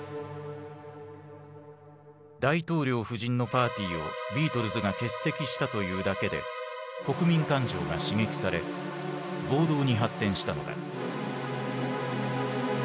大統領夫人のパーティーをビートルズが欠席したというだけで国民感情が刺激され暴動に発展したのだ。